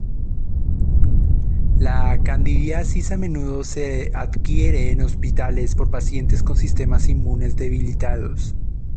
La candidiasis a menudo se adquiere en hospitales por pacientes con sistemas inmunes debilitados.